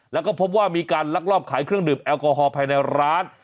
แล้วก็พบว่ามีการลักลอบขายเครื่องดื่มแอลกอฮอลภายในร้าน